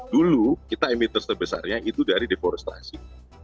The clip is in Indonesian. dulu kita emiten terbesarnya itu dari deforestasi